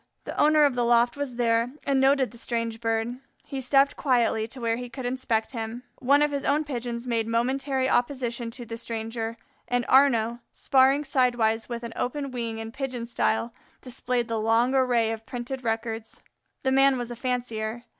The owner of the loft was there and noted the strange Bird. He stepped quietly to where he could inspect him. One of his own Pigeons made momentary opposition to the stranger, and Arnaux, sparring sidewise with an open wing in Pigeon style, displayed the long array of printed records. The man was a fancier.